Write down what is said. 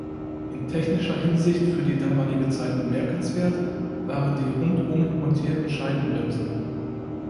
In technischer Hinsicht für die damalige Zeit bemerkenswert waren die rundum montierten Scheibenbremsen.